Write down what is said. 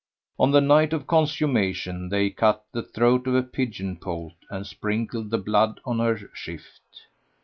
On the night of consummation they cut the throat of a pigeon poult and sprinkled the blood on her shift.